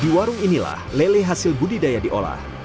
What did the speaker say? di warung inilah lele hasil budidaya diolah